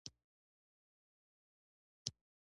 دندې ته یې بلنه هم راغلې ده.